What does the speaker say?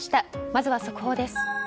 まずは速報です。